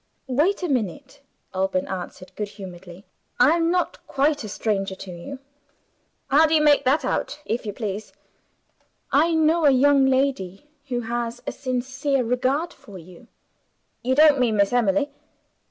"Wait a minute," Alban answered good humoredly. "I am not quite a stranger to you." "How do you make that out, if you please?" "I know a young lady who has a sincere regard for you." "You don't mean Miss Emily?"